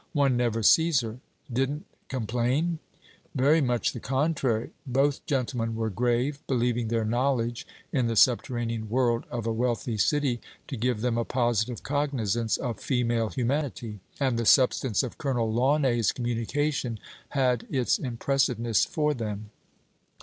One never sees her. Didn't complain?' 'Very much the contrary.' Both gentlemen were grave, believing their knowledge in the subterranean world of a wealthy city to give them a positive cognizance of female humanity; and the substance of Colonel Launay's communication had its impressiveness for them.